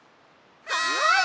はい！